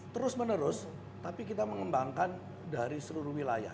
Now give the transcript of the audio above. terus menerus tapi kita mengembangkan dari seluruh wilayah